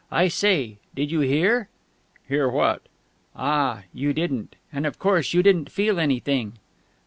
"I say ... did you hear?" "Hear what?" "Ah, you didn't ... and, of course, you didn't feel anything...."